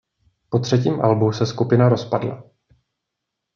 Po třetím albu se skupina rozpadla.